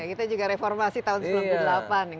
kita juga reformasi tahun sembilan puluh delapan ya